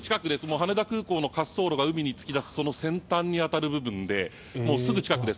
羽田空港の滑走路が海に突き出すその先端に当たる部分ですぐ近くです。